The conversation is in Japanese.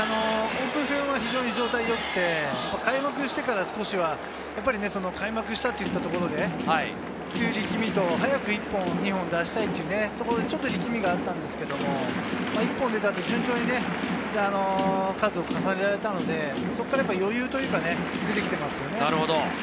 オープン戦は非常に状態が良くて、開幕してから少し、開幕したところという力みと早く１本、２本出したいというところ、ちょっと力みがあったんですけど、１本出たあと順調に数を重ねられたので、そこから余裕というか、出てきていますよね。